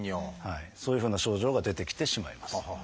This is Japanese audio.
そういうふうな症状が出てきてしまいます。